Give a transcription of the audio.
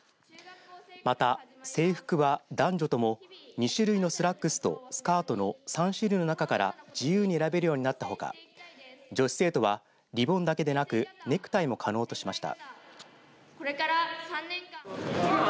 また、制服は男女とも２種類のスラックスとスカートの３種類の中から自由に選べるようになったほか女子生徒はリボンだけでなくネクタイも可能としました。